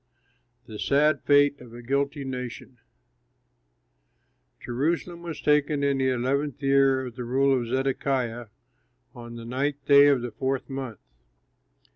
THE SAD FATE OF A GUILTY NATION Jerusalem was taken in the eleventh year of the rule of Zedekiah, on the ninth day of the fourth month.